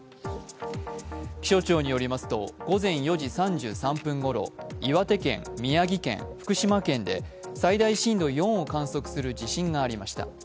気象庁によりますと、午前４時３３分ごろ岩手県、宮城県、福島県で最大震度４を観測する地震がありました。